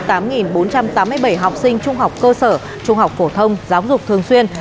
trong khi đó một bốn trăm tám mươi bảy học sinh trung học cơ sở trung học phổ thông giáo dục thường xuyên